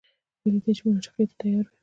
بې له دې چې مناقشې ته تیار وي.